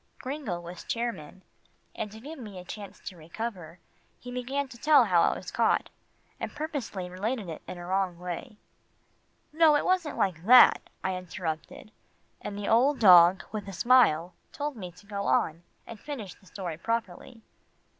Gringo was chairman, and to give me a chance to recover, he began to tell how I was caught, and purposely related it in a wrong way. "No, it wasn't like that," I interrupted, and the old dog, with a smile, told me to go on, and finish the story properly.